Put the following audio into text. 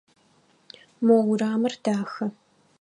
Мо урамыр дахэ.